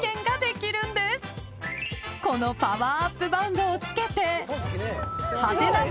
［このパワーアップバンドを着けて］